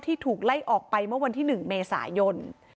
ถูกไล่ออกไปเมื่อวันที่๑เมษายน